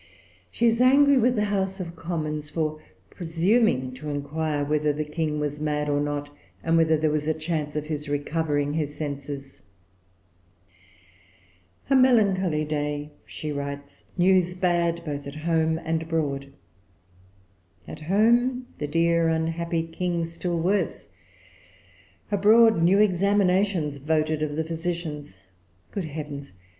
She is angry with the House of Commons for presuming to inquire whether the King was mad or not, and whether there was a chance of his recovering his senses. "A melancholy day," she writes; "news bad both at home and abroad. At home the dear unhappy King still worse; abroad new examinations voted of the physicians. Good heavens!